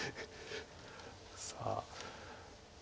さあ。